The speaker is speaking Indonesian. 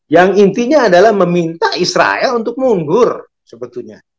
yang intinya adalah meminta israel untuk mundur sebetulnya